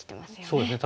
そうですね。